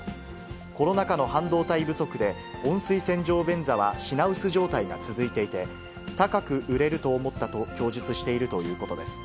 コロナ禍の半導体不足で温水洗浄便座は品薄状態が続いていて、高く売れると思ったと供述しているということです。